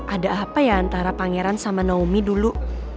ada apa ya antara pangeran sama naomi dulu